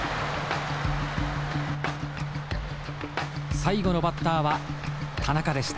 最後のバッターは田中でした。